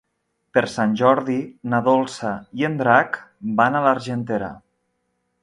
Per Sant Jordi na Dolça i en Drac van a l'Argentera.